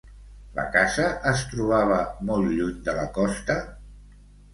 La casa es trobava molt lluny de la costa?